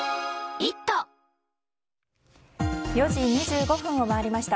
４時２５分を回りました。